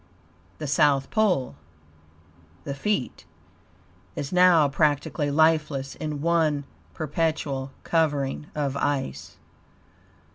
The South pole (the feet) is now practically lifeless in one perpetual covering of ice.